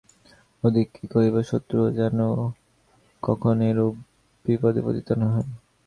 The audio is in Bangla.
অধিক কি কহিব শত্রুও যেন কখন এরূপ বিপদে পতিত না হয়।